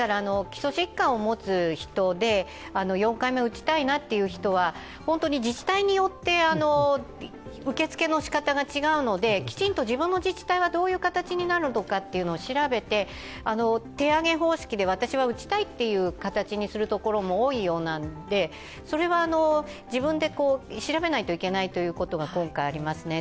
基礎疾患を持つ人で４回目を打ちたいなという人は自治体によって受付の仕方が違うのできちんと自分の自治体だどんな形になるのかというのを調べて、手挙げ方式で、私は打ちたいという形にするところも多いようなので、それは自分で調べないといけないということが今回ありますね。